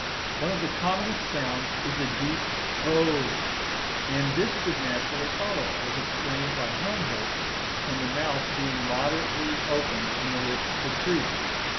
One of the commonest sounds is a deep Oh; and this would naturally follow, as explained by Helmholtz, from the mouth being moderately opened and the lips protruded.